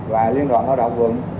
và liên đoàn lao động quận